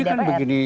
jadi kan begini